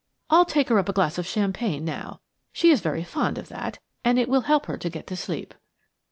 I'll take her up a glass of champagne now. She is very fond of that, and it will help her to get to sleep."